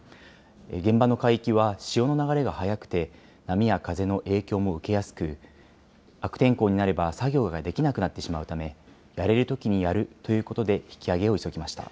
現場の海域は潮の流れが速くて、波や風の影響も受けやすく、悪天候になれば作業ができなくなってしまうため、やれるときにやるということで、引き揚げを急ぎました。